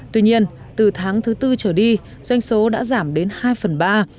tuy nhiên từ tháng thứ tư trở đi doanh số đã giảm đến hai phần ba